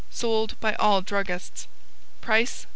Sold by all druggists. Price, $1.